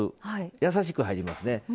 やさしく入りますね。